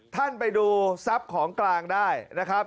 ท่านไปดูทรัพย์ของกลางได้นะครับ